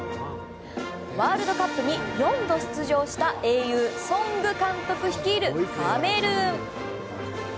ワールドカップに４度出場した英雄、ソング監督率いるカメルーン。